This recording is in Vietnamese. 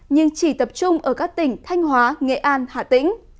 nhưng chỉ tập trung ở các tỉnh thanh hóa nghệ an hà tĩnh